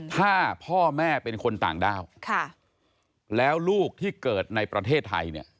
ถ้าพ่อแม่เป็นคนต่างด้าวแล้วลูกที่เกิดในประเทศไทยเนี่ย